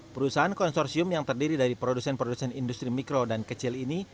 perusahaan konsorsium yang terdiri dari produsen produsen industri mikro dan kecil ini